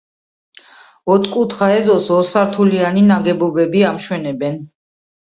ოთხკუთხა ეზოს ორსართულიანი ნაგებობები ამშვენებენ.